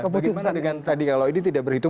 bagaimana dengan tadi kalau ini tidak berhitung